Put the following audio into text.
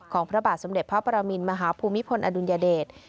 พระบาทสมเด็จพระปรมินมหาภูมิพลอดุลยเดช